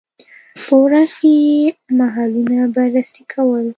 په ورځ کې یې محلونه بررسي کول.